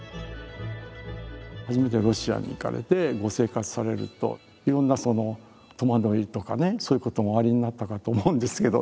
初めてロシアに行かれてご生活されるといろんな戸惑いとかねそういうこともおありになったかと思うんですけど